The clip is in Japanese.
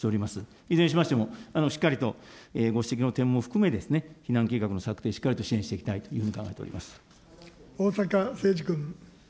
いずれにしましても、しっかりとご指摘の点も含め、避難計画の策定、しっかりと支援していきたい逢坂誠二君。